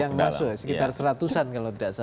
yang masuk sekitar seratusan kalau tidak salah